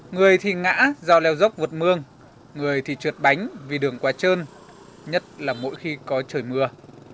người thì ngã do leo dốc vượt mương người thì trượt bánh vì đường quá trơn nhất là mỗi khi có trời mưa